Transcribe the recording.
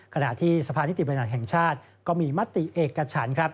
ขณะที่สภานิติบัญญัติแห่งชาติก็มีมติเอกฉันครับ